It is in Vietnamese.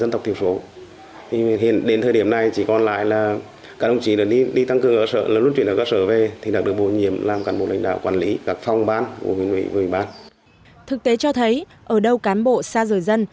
thực tế cho thấy ở đâu cán bộ xa rời dân